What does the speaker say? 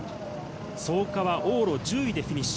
創価は往路１０位でフィニッシュ。